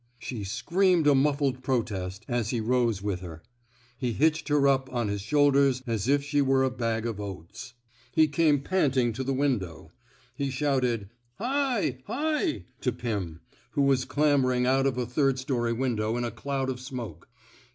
She screamed a muffled protest, as he rose with her. He hitched her up on his shoul der as if she were a bag of oats. Ill THE SMOKE EATERS He came panting to the window. He shouted Hi! Hi!" to Pirn, who was clambering out of a third story window in a cloud of smoke.